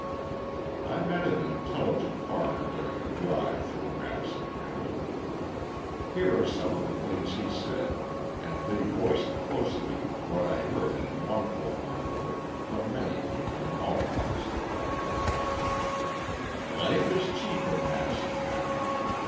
I met an intelligent farmer during a drive through Madison County. Here are some of the things he said, and they voiced closely what I heard in one form or another from many people in all walks of life: "Life is cheap in Madison County.